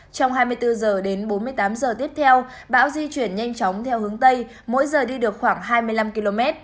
trong hai mươi bốn h đến bốn mươi tám h tiếp theo bão di chuyển nhanh chóng theo hướng tây mỗi giờ đi được khoảng hai mươi năm km